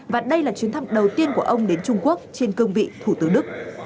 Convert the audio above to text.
và đây là chuyến thăm đầu tiên của ông đến trung quốc trên cương vị thủ tướng đức